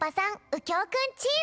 うきょうくんチーム！